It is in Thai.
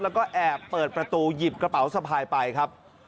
แล้วก็แอบเปิดประตูหยิบกระเป๋าสะพายไปครับ